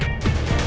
saya nggak tahu kiki